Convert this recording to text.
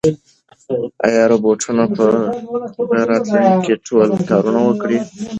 ایا روبوټونه به په راتلونکي کې ټول کارونه وکړي؟